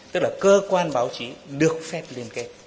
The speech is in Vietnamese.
tức là cơ quan báo chí được phép liên kết với tư nhân